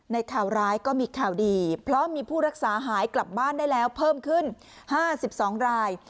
ข่าวร้ายก็มีข่าวดีเพราะมีผู้รักษาหายกลับบ้านได้แล้วเพิ่มขึ้น๕๒ราย